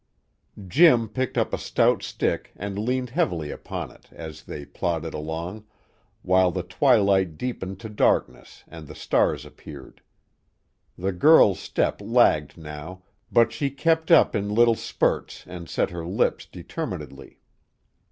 Jim picked up a stout stick and leaned heavily upon it as they plodded along, while the twilight deepened to darkness and the stars appeared. The girl's step lagged now, but she kept up in little spurts and set her lips determinedly.